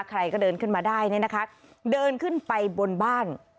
ใครก็เดินขึ้นมาได้เนี่ยนะคะเดินขึ้นไปบนบ้าน